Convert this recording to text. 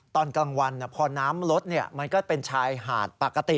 ตอนกลางวันพอน้ำลดมันก็เป็นชายหาดปกติ